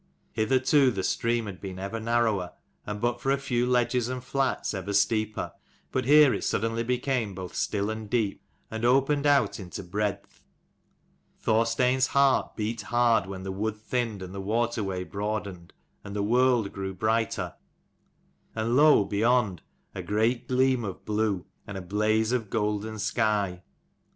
Hitherto the stream had been ever narrower, and, but for a few ledges and flats, ever steeper: but here it suddenly became both still and deep, and opened out into breadth. Thorstein's heart beat hard when the wood thinned, and the waterway broadened, and the world grew brighter, and lo, beyond, a great gleam of blue, and a blaze of golden sky.